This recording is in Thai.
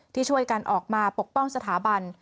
ที่ช่วยกันออกมาปกป้องสถาบัน